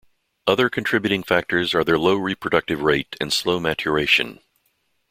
Other contributing factors are their low reproductive rate and slow maturation.